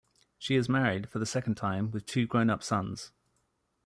She is married, for the second time, with two grown-up sons.